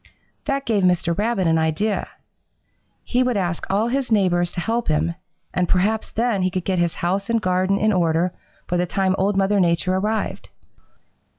"That gave Mr. Rabbit an idea. He would ask all his neighbors to help him, and perhaps then he could get his house and garden in order by the time Old Mother Nature arrived.